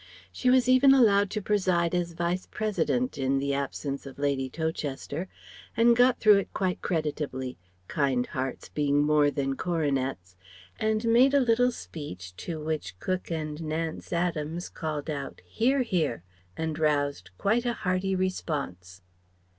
She was even allowed to preside as Vice President, in the absence of Lady Towcester; and got through it quite creditably kind hearts being more than coronets and made a little speech to which cook and Nance Adams called out "Hear, Hear!" and roused quite a hearty response.